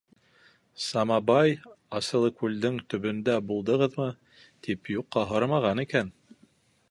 Самабай, Асылыкүлдең төбөндә булдығыҙмы, тип юҡҡа һорамаған икән.